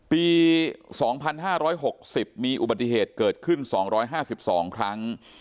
ปี๒๕๖๐มีอุบัติเหตุเกิดขึ้น๒๕๒ครั้ง